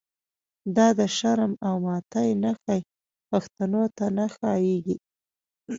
دا د شرم او ماتی نښی، پښتنو ته نه ښا ييږی